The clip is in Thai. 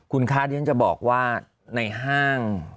คุณคาดยังจะบอกว่าในห้าง